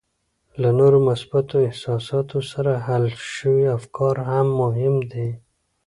له نورو مثبتو احساساتو سره حل شوي افکار هم مهم دي